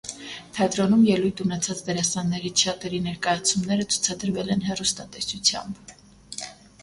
Թատրոնում ելույթ ունեցած դերասաններից շատերի ներկայացումները ցուցադրվել են հեռուստատեսությամբ։